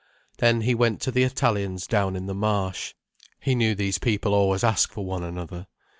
Then he went to the Italians down in the Marsh—he knew these people always ask for one another.